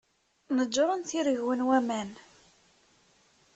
Neǧren tiregwa n waman.